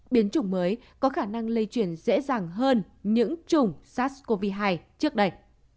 biến chủng mới có khả năng lây chuyển dễ dàng hơn những chủng sars cov hai trước đây